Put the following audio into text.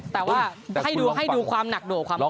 แต่ว่าให้ดูความหนักโดความโคมนะ